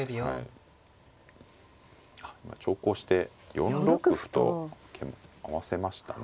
あっ今長考して４六歩と合わせましたね。